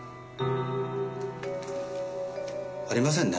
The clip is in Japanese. ありませんね